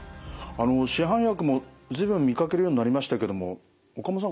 あの市販薬も随分見かけるようになりましたけども岡本さん